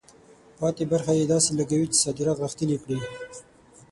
پاتې برخه یې داسې لګوي چې صادرات غښتلي کړي.